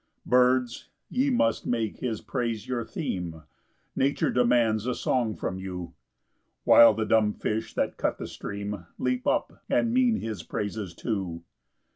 8 Birds, ye must make his praise your theme, Nature demands a song from you; While the dumb fish that cut the stream Leap up, and mean his praises too.